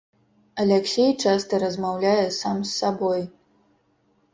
Аляксей часта размаўляе сам з сабой.